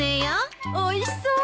おいしそう。